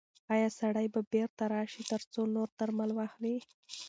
ایا سړی به بیرته راشي ترڅو نور درمل واخلي؟